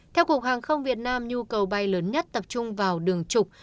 theo cục hàng không việt nam nhu cầu bay lớn nhất tập trung vào đường trục